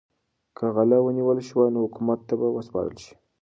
که غله ونیول شي نو حکومت ته به وسپارل شي.